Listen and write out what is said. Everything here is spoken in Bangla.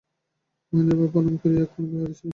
মহেন্দ্রবাবু প্রণাম করিয়া এক কোণে দাঁড়াইয়াছিলেন।